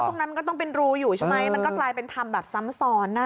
ตรงนั้นมันก็ต้องเป็นรูอยู่ใช่ไหมมันก็กลายเป็นทำแบบซ้ำซ้อนอ่ะ